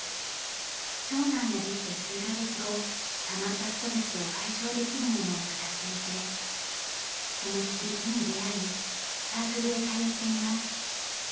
長男ができて数カ月後たまったストレスを解消できるものを探していてその響きに出会いサークルへ通っています。